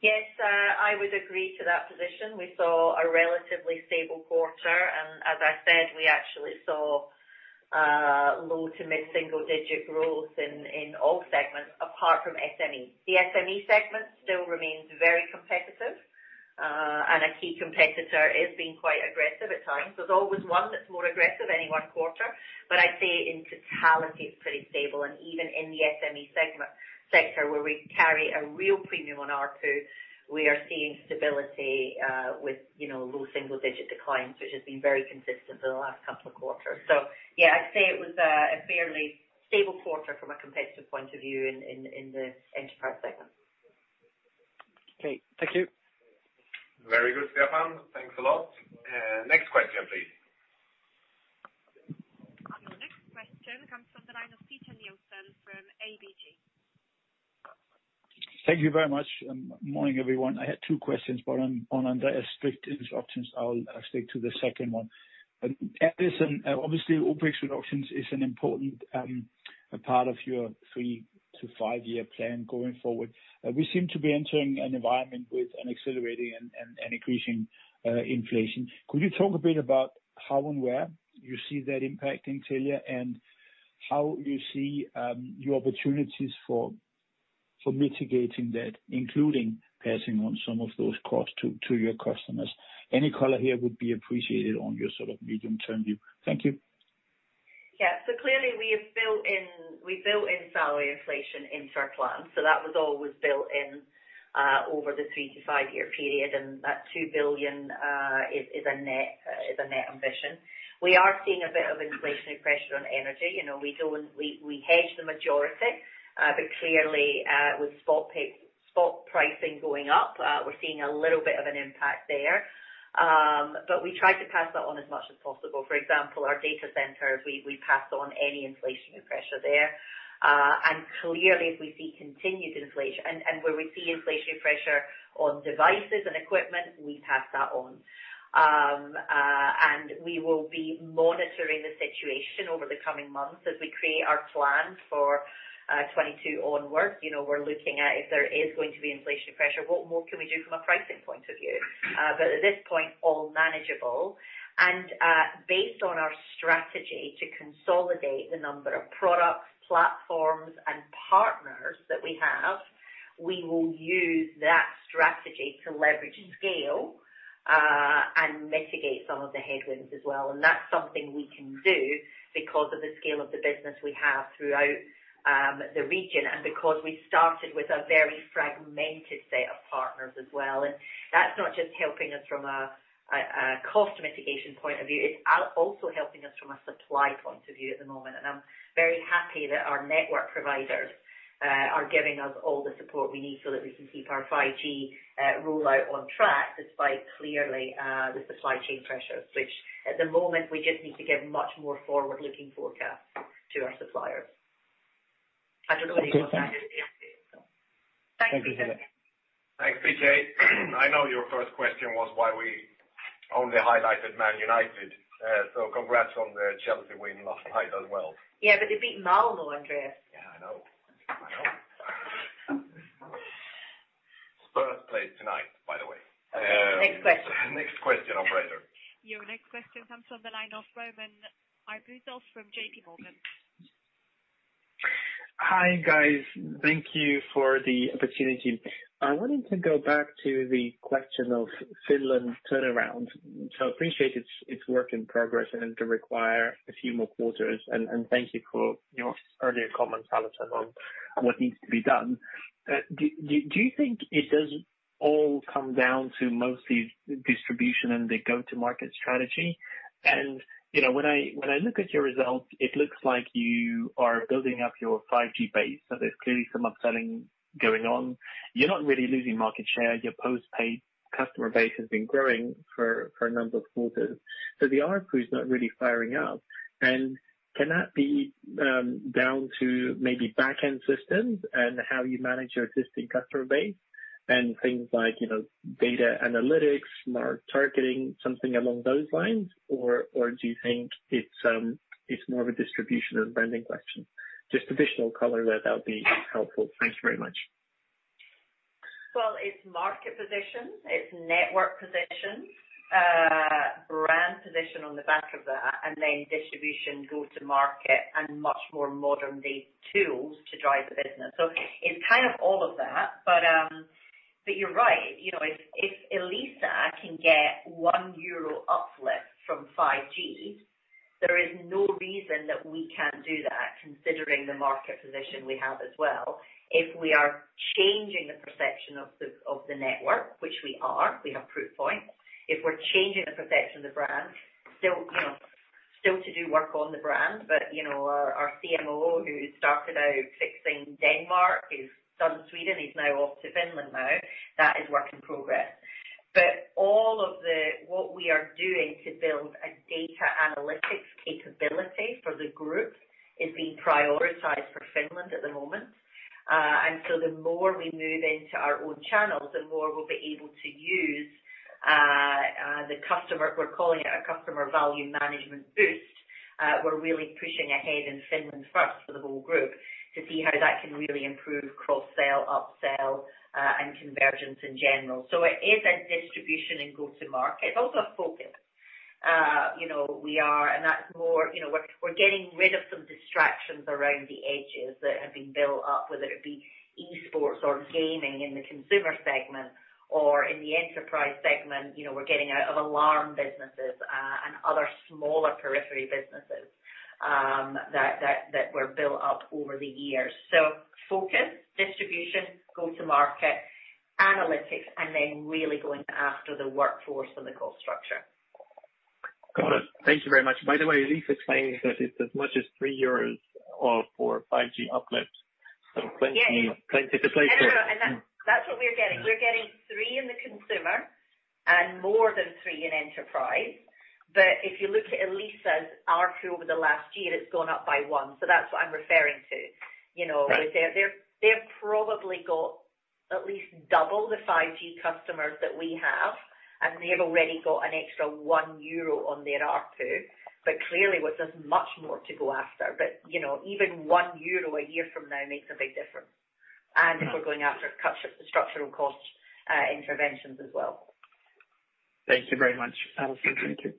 Yes. I would agree to that position. We saw a relatively stable quarter, and as I said, we actually saw low to mid-single digit growth in all segments apart from SME. The SME segment still remains very competitive. A key competitor is being quite aggressive at times. There's always one that's more aggressive any one quarter, but I'd say in totality it's pretty stable. Even in the SME sector where we carry a real premium on ARPU, we are seeing stability with low single digit declines, which has been very consistent for the last couple of quarters. Yeah, I'd say it was a fairly stable quarter from a competitive point of view in the enterprise segment. Okay. Thank you. Very good, Stefan. Thanks a lot. Next question, please. Your next question comes from the line of Peter Nielsen from ABG. Thank you very much. Morning, everyone. I had two questions, but on under strict instructions, I'll stick to the second one. Allison, obviously, OpEx reductions is an important part of your three to five-year plan going forward. We seem to be entering an environment with an accelerating and increasing inflation. Could you talk a bit about how and where you see that impacting Telia, and how you see your opportunities for mitigating that, including passing on some of those costs to your customers? Any color here would be appreciated on your sort of medium-term view. Thank you. Yeah. Clearly we've built in salary inflation into our plan. That was always built in over the three to five-year period, and that 2 billion is a net ambition. We are seeing a bit of inflationary pressure on energy. We hedge the majority, but clearly, with spot pricing going up, we're seeing a little bit of an impact there. We try to pass that on as much as possible. For example, our data centers, we pass on any inflationary pressure there. Clearly, if we see continued inflation and where we see inflationary pressure on devices and equipment, we pass that on. We will be monitoring the situation over the coming months as we create our plan for 2022 onwards. We're looking at if there is going to be inflationary pressure, what more can we do from a pricing point of view? At this point, all manageable. Based on our strategy to consolidate the number of products, platforms, and partners that we have, we will use that strategy to leverage scale, and mitigate some of the headwinds as well. That's something we can do because of the scale of the business we have throughout the region, and because we started with a very fragmented set of partners as well. That's not just helping us from a cost mitigation point of view, it's also helping us from a supply point of view at the moment. I'm very happy that our network providers are giving us all the support we need so that we can keep our 5G rollout on track despite clearly the supply chain pressures. Which at the moment we just need to give much more forward-looking forecasts to our suppliers. I don't know what you want to add, Andreas. Thanks, Peter. Thank you. Thanks, Peter. I know your first question was why we only highlighted Man United, so congrats on the Chelsea win last night as well. Yeah, they beat Malmö, Andreas. Yeah, I know. Spurs play tonight, by the way. Next question. Next question, operator. Your next question comes from the line of Roman Arbuzov from JPMorgan. Hi, guys. Thank you for the opportunity. I wanted to go back to the question of Finland's turnaround. Appreciate it's work in progress and to require a few more quarters, and thank you for your earlier comments, Allison, on what needs to be done. Do you think it does all come down to mostly distribution and the go-to market strategy? When I look at your results, it looks like you are building up your 5G base. There's clearly some upselling going on. You're not really losing market share. Your post-paid customer base has been growing for a number of quarters. The ARPU is not really firing up. Can that be down to maybe back-end systems and how you manage your existing customer base, and things like data analytics, smart targeting, something along those lines, or do you think it's more of a distribution and branding question? Just additional color there, that would be helpful. Thank you very much. Well, it's market position, it's network position, brand position on the back of that, and then distribution go to market and much more modern day tools to drive the business. It's kind of all of that. You're right. If Elisa can get 1 euro uplift from 5G, there is no reason that we can't do that considering the market position we have as well. If we are changing the perception of the network, which we are, we have proof points. If we're changing the perception of the brand, still to do work on the brand, but our CMO who started out fixing Denmark, who's done Sweden, he's now off to Finland now. That is work in progress. All of what we are doing to build a data analytics capability for the group is being prioritized for Finland at the moment. The more we move into our own channels, the more we'll be able to use the customer. We're calling it our customer value management boost. We're really pushing ahead in Finland first for the whole group to see how that can really improve cross-sell, up-sell, and convergence in general. It is a distribution and go to market. It's also a focus. We're getting rid of some distractions around the edges that have been built up, whether it be e-sports or gaming in the consumer segment or in the enterprise segment. We're getting out of alarm businesses, and other smaller periphery businesses that were built up over the years. Focus, distribution, go to market, analytics, and then really going after the workforce and the cost structure. Got it. Thank you very much. Elisa claims that it's as much as 3 euros for 5G uplift. Plenty to play for. That's what we're getting. We're getting 3 in the consumer and more than 3 in enterprise. If you look at Elisa's ARPU over the last year, it's gone up by 1. That's what I'm referring to. Right. They've probably got at least double the 5G customers that we have, and they've already got an extra 1 euro on their ARPU. Clearly what there's much more to go after. Even 1 euro a year from now makes a big difference. We're going after structural cost interventions as well. Thank you very much. That was good. Thank you.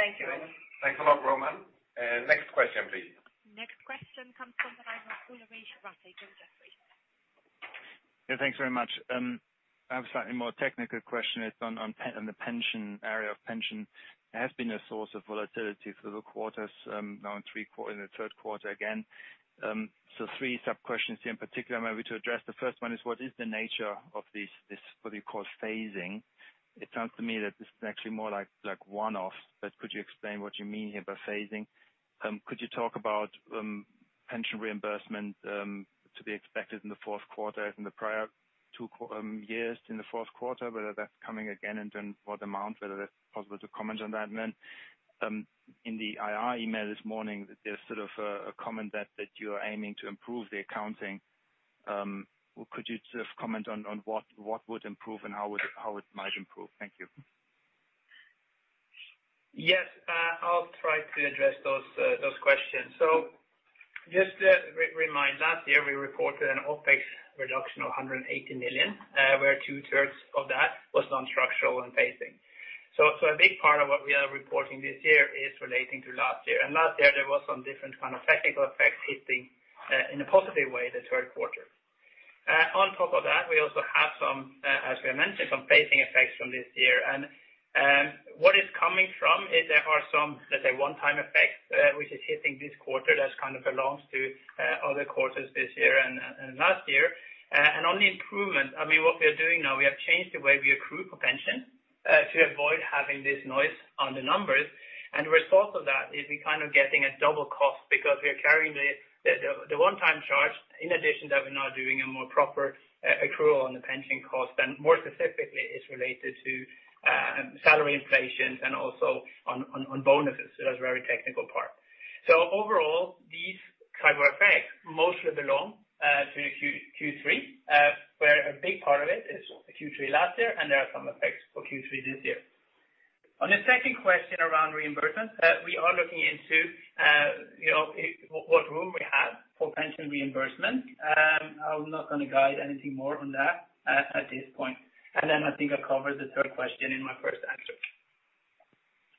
Thank you, Roman. Thanks a lot, Roman. Next question, please. Next question comes from the line of Ulrich Rathe from Jefferies. Yeah, thanks very much. I have a slightly more technical question. It's on the pension, area of pension. It has been a source of volatility through the quarters, now in the third quarter again. three sub-questions here in particular maybe to address. The first one is, what is the nature of this, what you call phasing? It sounds to me that this is actually more like one-off, but could you explain what you mean here by phasing? Could you talk about pension reimbursement to be expected in the fourth quarter in the prior two years in the fourth quarter, whether that's coming again, and then what amount, whether that's possible to comment on that? In the IR email this morning, there's sort of a comment that you're aiming to improve the accounting. Could you sort of comment on what would improve and how it might improve? Thank you. I'll try to address those questions. Just to remind, last year we reported an OpEx reduction of 180 million, where two-thirds of that was non-structural and phasing. A big part of what we are reporting this year is relating to last year. Last year there was some different kind of technical effects hitting, in a positive way, the third quarter. On top of that, we also have some, as we mentioned, some phasing effects from this year. What it's coming from is there are some, let's say, one-time effects, which is hitting this quarter that kind of belongs to other quarters this year and last year. On the improvement, what we are doing now, we have changed the way we accrue for pension to avoid having this noise on the numbers. The result of that is we're kind of getting a double cost because we are carrying the one-time charge in addition that we're now doing a more proper accrual on the pension cost, and more specifically, it's related to salary inflation and also on bonuses. That's a very technical part. Overall, these kind of effects mostly belong to Q3, where a big part of it is Q3 last year, and there are some effects for Q3 this year. On the second question around reimbursement, we are looking into what room we have for pension reimbursement. I'm not going to guide anything more on that at this point. Then I think I covered the third question in my first answer.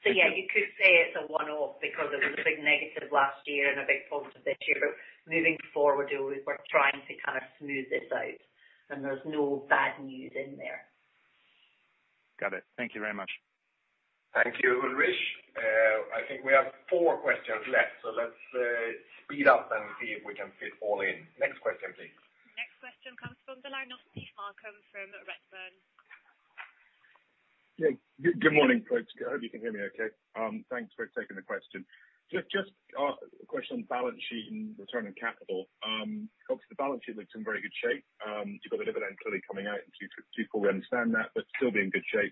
Yeah, you could say it's a one-off because it was a big negative last year and a big positive this year. Moving forward, we're trying to kind of smooth this out, and there's no bad news in there. Got it. Thank you very much. Thank you, Ulrich. I think we have four questions left, so let's speed up and see if we can fit all in. Next question, please. Next question comes from the line of Steve Malcolm from Redburn. Good morning, folks. I hope you can hear me okay. Thanks for taking the question. Just a question on balance sheet and return on capital. Obviously, the balance sheet looks in very good shape. You've got the dividend clearly coming out, and people understand that, but still be in good shape,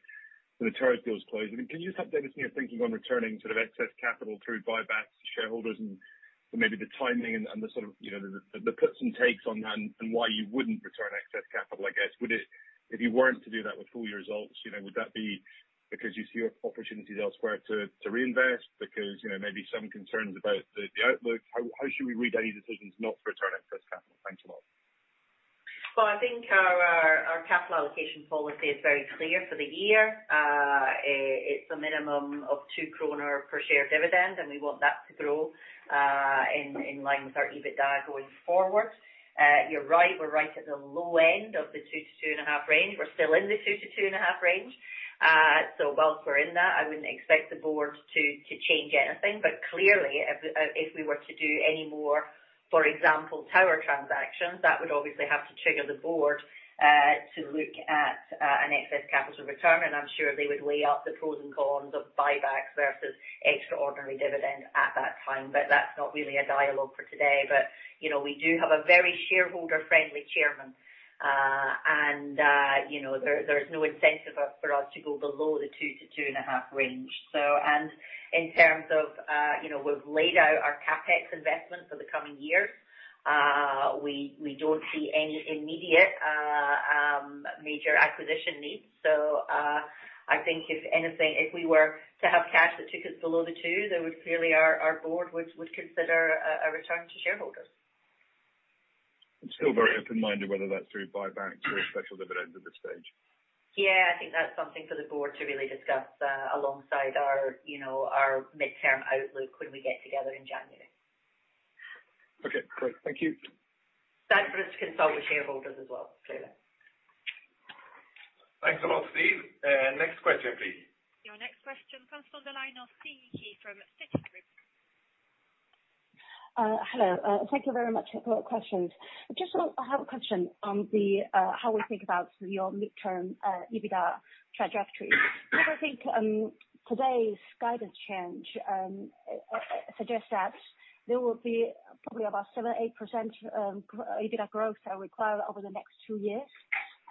when the tower deal is closed. Can you just update us on your thinking on returning excess capital through buybacks to shareholders, and maybe the timing and the puts and takes on that and why you wouldn't return excess capital, I guess. If you weren't to do that with full year results, would that be because you see opportunities elsewhere to reinvest? Because maybe some concerns about the outlook. How should we read any decisions not to return excess capital? Thanks a lot. I think our capital allocation policy is very clear for the year. It's a minimum of 2 kronor per share dividend, and we want that to grow in line with our EBITDA going forward. You're right, we're right at the low end of the 2-2.5 range. We're still in the 2-2.5 range. Whilst we're in that, I wouldn't expect the board to change anything. Clearly, if we were to do any more, for example, tower transactions, that would obviously have to trigger the board to look at an excess capital return. I'm sure they would weigh up the pros and cons of buybacks versus extraordinary dividend at that time. That's not really a dialogue for today. We do have a very shareholder-friendly chairman, and there's no incentive for us to go below the 2 to 2.5 range. We've laid out our CapEx investment for the coming years. We don't see any immediate major acquisition needs. I think if anything, if we were to have cash that took us below the 2, then clearly our board would consider a return to shareholders. I'm still very open-minded whether that's through buybacks or special dividends at this stage. Yeah, I think that's something for the board to really discuss alongside our midterm outlook when we get together in January. Okay, great. Thank you. Time for us to consult with shareholders as well, clearly. Thanks a lot, Steve. Next question, please. Your next question comes from the line of Siyi He from Citigroup. Hello. Thank you very much for the questions. I have a question on how we think about your midterm EBITDA trajectory. I think today's guidance change suggests that there will be probably about 7%, 8% EBITDA growth required over the next two years.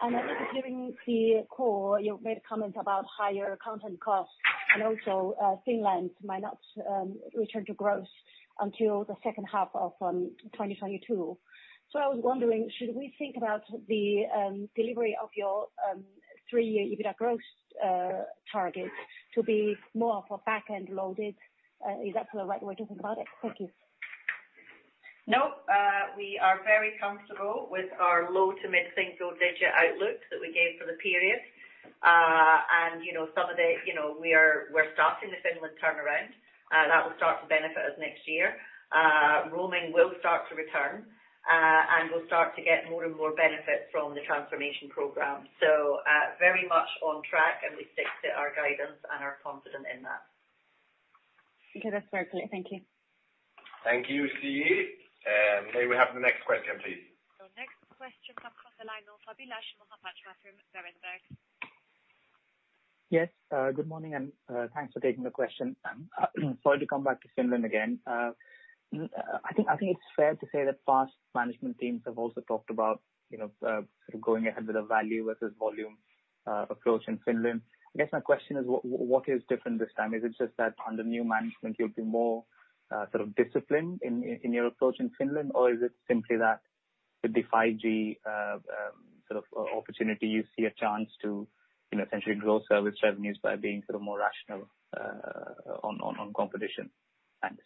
I think during the call, you made a comment about higher content costs and also Finland might not return to growth until the second half of 2022. I was wondering, should we think about the delivery of your three-year EBITDA growth target to be more of a back-end loaded? Is that the right way to think about it? Thank you. No. We are very comfortable with our low to mid single digit outlook that we gave for the period. We're starting the Finland turnaround. That will start to benefit us next year. Roaming will start to return, and we'll start to get more and more benefits from the transformation program. Very much on track, and we stick to our guidance and are confident in that. Okay, that's very clear. Thank you. Thank you, Siyi He. May we have the next question, please? Your next question comes from the line of Abhilash Mohapatra from Berenberg. Yes, good morning, and thanks for taking the question. Sorry to come back to Finland again. I think it's fair to say that past management teams have also talked about going ahead with a value versus volume approach in Finland. I guess my question is what is different this time? Is it just that under new management you'll be more sort of disciplined in your approach in Finland, or is it simply that with the 5G opportunity, you see a chance to essentially grow service revenues by being more rational on competition? Thanks.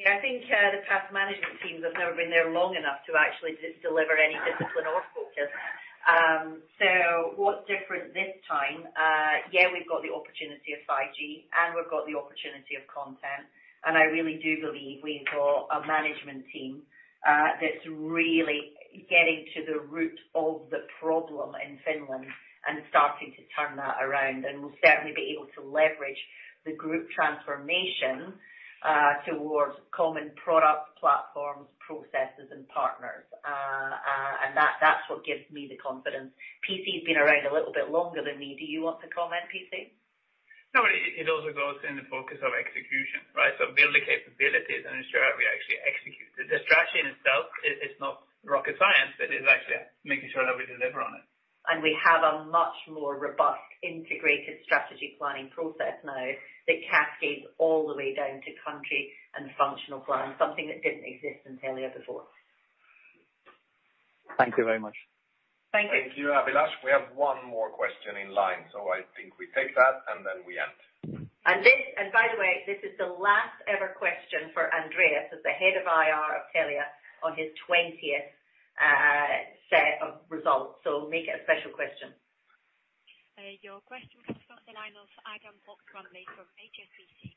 I think the past management teams have never been there long enough to actually deliver any discipline or focus. What's different this time? We've got the opportunity of 5G, and we've got the opportunity of content. I really do believe we've got a management team that's really getting to the root of the problem in Finland and starting to turn that around. We'll certainly be able to leverage the group transformation towards common product platforms, processes, and partners. That's what gives me the confidence. P.C. has been around a little bit longer than me. Do you want to comment, P.C.? It also goes in the focus of execution, right? Build the capabilities and ensure that we actually execute. The strategy in itself is not rocket science, but it's actually making sure that we deliver on it. We have a much more robust, integrated strategy planning process now that cascades all the way down to country and functional plan, something that didn't exist in Telia before. Thank you very much. Thank you. Thank you, Abhilash. We have 1 more question in line, so I think we take that, and then we end. By the way, this is the last ever question for Andreas as the Head of IR of Telia on his 20th set of results, so make it a special question. Your question comes from the line of Adam Fox-Rumley from HSBC.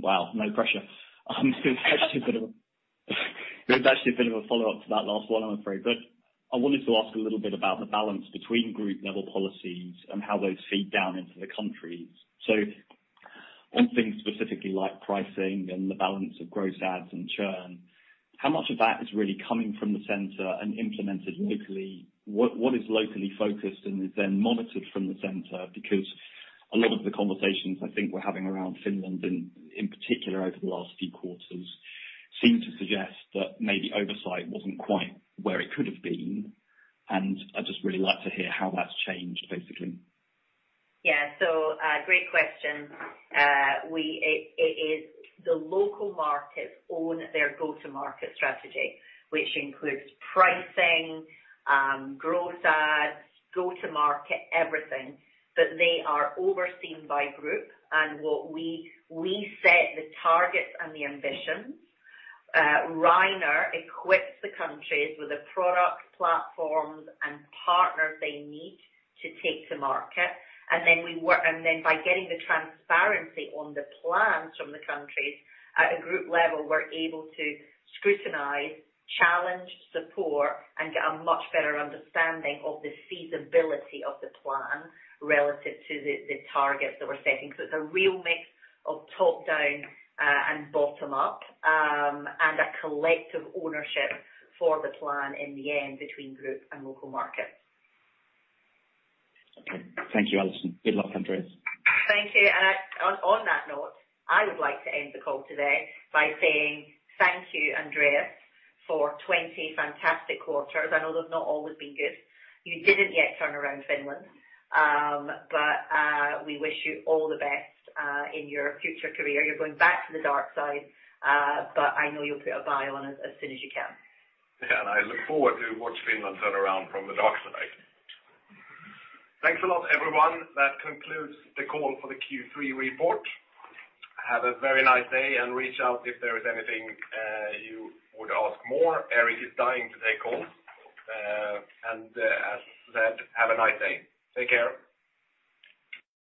Wow, no pressure. It was actually a bit of a follow-up to that last one, I'm afraid. I wanted to ask a little bit about the balance between group level policies and how those feed down into the countries. On things specifically like pricing and the balance of gross adds and churn, how much of that is really coming from the center and implemented locally? What is locally focused and is then monitored from the center? A lot of the conversations I think we're having around Finland, in particular over the last few quarters, seem to suggest that maybe oversight wasn't quite where it could have been. I'd just really like to hear how that's changed, basically. Yeah. Great question. The local markets own their go-to-market strategy, which includes pricing, gross ads, go-to-market, everything, but they are overseen by group and we set the targets and the ambitions. Rainer equips the countries with the product platforms and partners they need to take to market. By getting the transparency on the plans from the countries at a group level, we're able to scrutinize, challenge, support, and get a much better understanding of the feasibility of the plan relative to the targets that we're setting. It's a real mix of top-down and bottom-up, and a collective ownership for the plan in the end between group and local markets. Okay. Thank you, Allison. Good luck, Andreas. Thank you. On that note, I would like to end the call today by saying thank you, Andreas, for 20 fantastic quarters. I know they've not always been good. You didn't yet turn around Finland. We wish you all the best in your future career. You're going back to the dark side. I know you'll put a buy on as soon as you can. Yeah. I look forward to watch Finland turn around from the dark side. Thanks a lot, everyone. That concludes the call for the Q3 report. Have a very nice day and reach out if there is anything you would ask more. Erik is dying to take calls. As said, have a nice day. Take care.